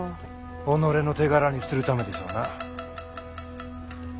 己の手柄にするためでしょうな。